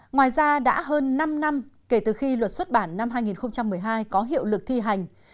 ngoài ra đã hơn năm năm kể từ khi luật xuất bản năm hai nghìn một mươi hai có hiệu lực thi hành